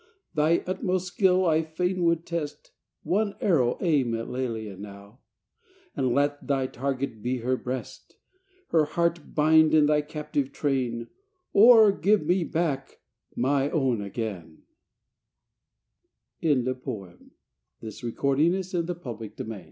Thy utmost skill I fain would test ; One arrow aim at Lelia now, And let thy target be her breast ! Her heart bind in thy captive train, Or give me back my own again 1 THE DREAM OF LOVE.